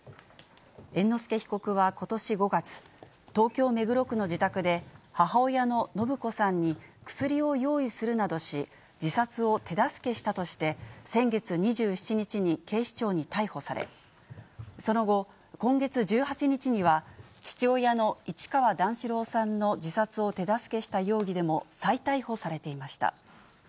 猿之助被告はことし５月、東京・目黒区の自宅で、母親の延子さんに薬を用意するなどし、自殺を手助けしたなどとして、先月２７日に警視庁に逮捕され、その後、今月１８日には、父親の市川段四郎さんの自殺を手助けした容疑でも再逮捕されていました。